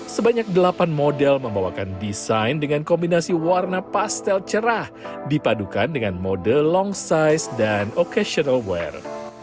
sebanyak delapan model membawakan desain dengan kombinasi warna pastel cerah dipadukan dengan mode long size dan occasional wear